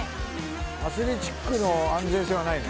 アスレチックの安全性はないね